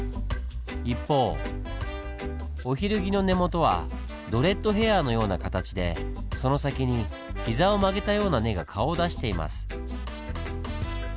一方オヒルギの根元はドレッドヘアーのような形でその先に膝を曲げたような根が顔を出しています。